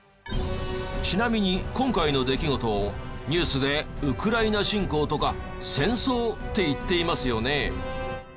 ちなみに今回の出来事をニュースでウクライナ侵攻とか戦争って言っていますよね。